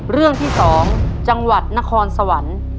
เรื่องที่๒จังหวัดนครสวรรค์